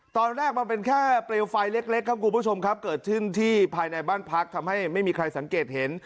ตอนแรกมันเป็นแค่เปลวไฟเล็กครับคุณผู้ชมครับเกิดขึ้นที่ภายในบ้านพักทำให้ไม่มีใครสังเกตเห็น